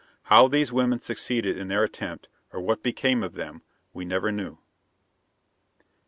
How those women succeeded in their attempt, or what became of them, we never knew.